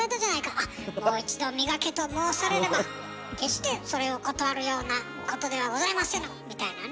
「あっもう一度磨けと申されれば決してそれを断るようなことではございませぬ」みたいなね。